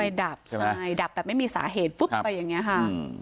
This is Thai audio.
ดับใช่ดับแบบไม่มีสาเหตุปุ๊บไปอย่างนี้ค่ะ